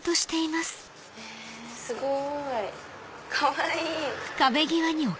すごい！かわいい！